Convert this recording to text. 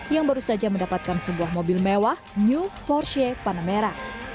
yang baru saja mendapatkan sebuah mobil mewah new porsche panamera